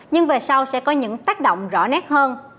nhưng về sau sẽ có những tác động rõ nét hơn